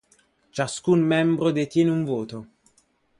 Ciascun membro detiene un voto.